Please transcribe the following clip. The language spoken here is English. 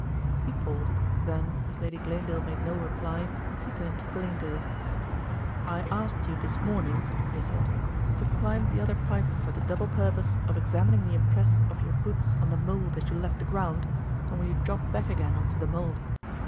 He paused, then, as Lady Glanedale made no reply, he turned to Glanedale. "I asked you this morning," he said, "to climb the other pipe for the double purpose of examining the impress of your boots on the mould as you left the ground and when you dropped back again on to the mould.